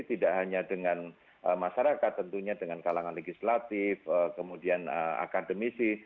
jadi tidak hanya dengan masyarakat tentunya dengan kalangan legislatif kemudian akademisi